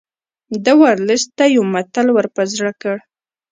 ده ورلسټ ته یو متل ور په زړه کړ.